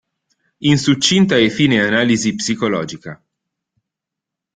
In succinta e fine analisi psicologica.